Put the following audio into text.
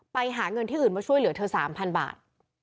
ไปหาเงินที่อื่นมาช่วยเหลือเธอ๓๐๐บาท